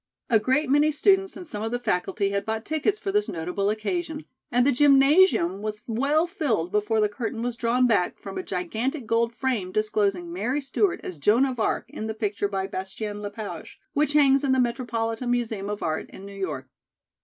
A great many students and some of the faculty had bought tickets for this notable occasion, and the gymnasium was well filled before the curtain was drawn back from a gigantic gold frame disclosing Mary Stewart as Joan of Arc in the picture by Bastien Le Page, which hangs in the Metropolitan Museum of Art in New York.